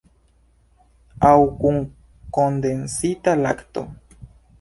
Aŭ kun kondensita lakto.